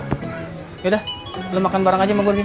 yaudah lu makan bareng aja sama gua gini